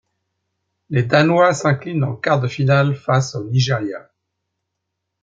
Les Danois s'inclinent en quart de finale face au Nigeria.